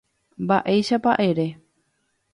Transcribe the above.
Mba'éichapa ere.